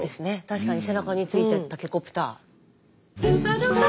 確かに背中についてるタケコプター。